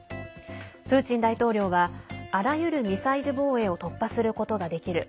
プーチン大統領はあらゆるミサイル防衛を突破することができる。